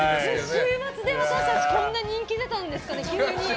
週末で私たちこんな人気出たんですかね